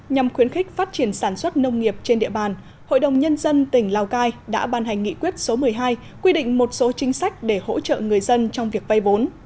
nhằm khuyến khích phát triển sản xuất nông nghiệp trên địa bàn hội đồng nhân dân tỉnh lào cai đã ban hành nghị quyết số một mươi hai quy định một số chính sách để hỗ trợ người dân trong việc vay vốn